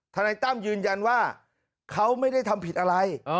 นายตั้มยืนยันว่าเขาไม่ได้ทำผิดอะไร